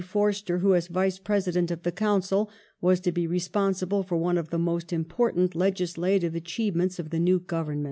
Forster who, as Vice President of the Council, was to be responsible for one of the most important legislative achievements of the new Government.